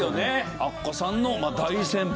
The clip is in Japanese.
アッコさんの大先輩。